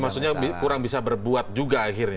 maksudnya kurang bisa berbuat juga akhirnya